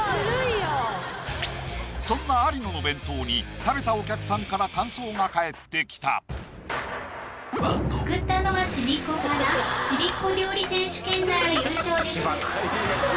そんな有野の弁当に食べたお客さんから感想が返ってきたしばく！